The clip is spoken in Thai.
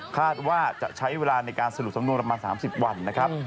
คาดว่าจะใช้เวลาในการสรุปสำนวนประมาณ๓๐วันนะครับ